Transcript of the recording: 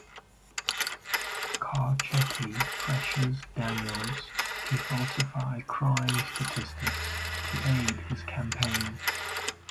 Carcetti pressures Daniels to falsify crime statistics to aid his campaign.